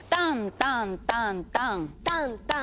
タンタンタンタン。